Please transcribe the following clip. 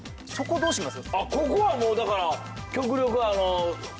ここはもうだから極力。